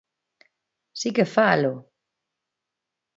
¡Si que falo!